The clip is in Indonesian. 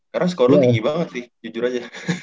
karena skor lu tinggi banget sih jujur aja